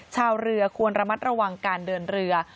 ชาวเรือควรระมัดระวังการเดินเรือ